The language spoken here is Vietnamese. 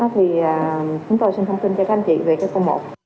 thì chúng tôi xin thông tin cho các anh chị về cái khu một